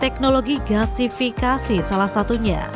teknologi gasifikasi salah satunya